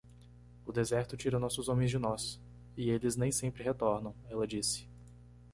"O deserto tira nossos homens de nós? e eles nem sempre retornam?" ela disse.